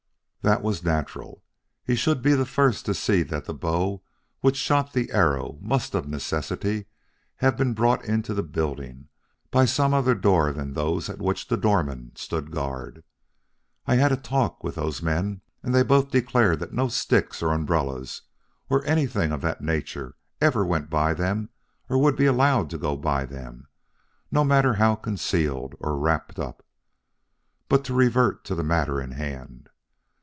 "That was natural. He should be the first to see that the bow which shot the arrow must of necessity have been brought into the building by some other door than those at which the doormen stood guard. I had a talk with those men, and they both declared that no sticks or umbrellas or anything of that nature ever went by them or would be allowed to go by them, no matter how concealed or wrapped up. But to revert to the matter in hand.